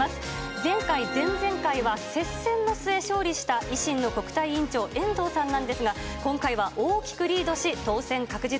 前回、前々回は接戦の末、勝利した維新の国対委員長、遠藤さんなんですが、今回は大きくリードし、当選確実。